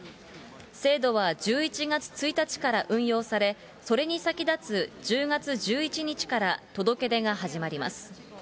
制度は１１月１日から運用され、それに先立つ１０月１１日から届け出が始まります。